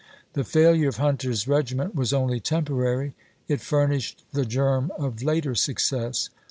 The failure of Hunter's regiment was only temporary ; it furnished the germ of later success.